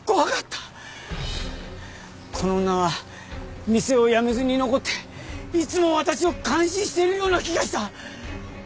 この女は店を辞めずに残っていつも私を監視しているような気がした。